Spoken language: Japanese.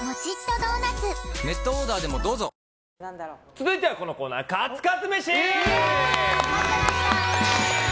続いてはこのコーナーカツカツ飯！